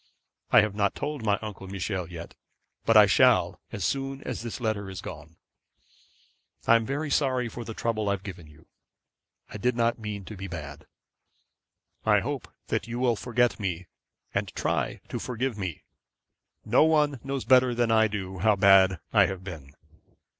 I have not told Uncle Michel yet, but I shall as soon as this letter is gone. 'I am very, very sorry for the trouble I have given you. I did not mean to be bad. I hope that you will forget me, and try to forgive me. No one knows better than I do how bad I have been.